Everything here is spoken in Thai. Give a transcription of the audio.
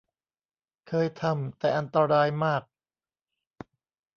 เคยทำ แต่อันตรายมาก